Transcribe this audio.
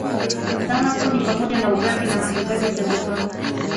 Dhana kuu ni pamoja na ugavi na mahitaji upembezoni